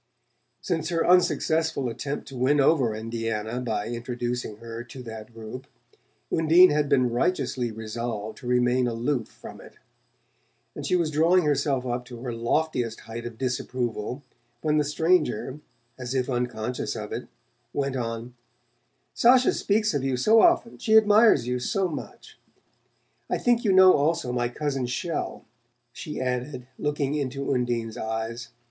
Since her unsuccessful attempt to win over Indiana by introducing her to that group, Undine had been righteously resolved to remain aloof from it; and she was drawing herself up to her loftiest height of disapproval when the stranger, as if unconscious of it, went on: "Sacha speaks of you so often she admires you so much. I think you know also my cousin Chelles," she added, looking into Undine's eyes.